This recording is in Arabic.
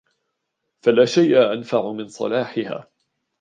فَلَا شَيْءَ أَنْفَعُ مِنْ صَلَاحِهَا